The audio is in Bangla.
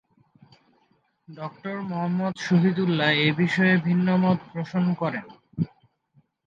ড. মুহম্মদ শহীদুল্লাহ্ এ বিষয়ে ভিন্ন মত পোষণ করেন।